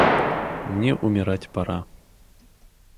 Мне умирать пора.